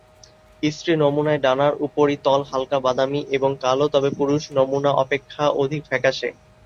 স্ত্রী নমুনায় ডানার উপরিতল হালকা বাদামী এবং কালো তবে পুরুষ নমুনা অপেক্ষা অধিক ফ্যাকাশে।